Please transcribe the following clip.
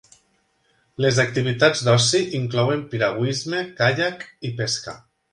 Les activitats d'oci inclouen piragüisme, caiac i pesca.